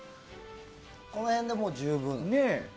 この辺でもう十分。